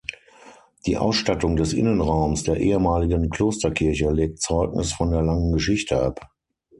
Die Ausstattung des Innenraumes der ehemaligen Klosterkirche legt Zeugnis von der langen Geschichte ab.